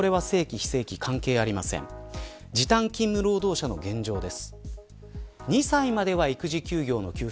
時短勤務労働者の現状です。